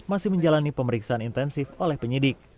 masih menjalani pemeriksaan intensif oleh penyidik